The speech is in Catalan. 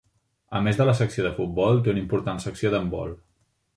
A més de la secció de futbol té una important secció d'handbol.